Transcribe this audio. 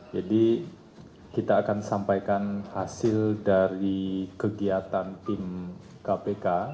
jadi kita akan sampaikan hasil dari kegiatan tim kpk